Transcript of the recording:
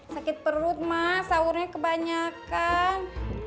sakit perut mas sahurnya kebanyakan